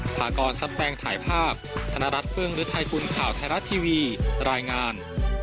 ภากรซับแปลงถ่ายภาพธนรัฐเฟิ่งหรือไทยกุลข่าวไทยรัฐทีวีรายงาน